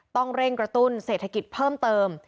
ต้องเร่งกระตุ้นเศรษฐกิจเพิ่มเติม